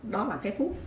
đó là thuốc